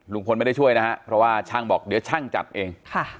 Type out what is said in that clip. ไม่ได้ช่วยนะฮะเพราะว่าช่างบอกเดี๋ยวช่างจัดเอง